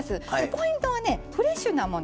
ポイントはねフレッシュなもの。